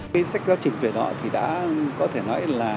cái sách giáo trình về đó thì đã có thể nói là